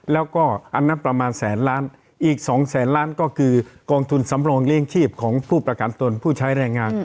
แล้วก็อันนั้นประมาณแสนล้านอีก๒แสนล้านก็คือกองทุนสำรองเลี้ยงชีพของผู้ประกันตนผู้ใช้แรงงาน